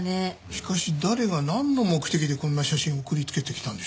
しかし誰がなんの目的でこんな写真を送りつけてきたんでしょうね。